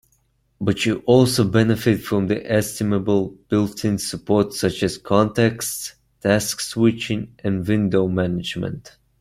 But you also benefit from the estimable built-in support such as contexts, task switching, and window management.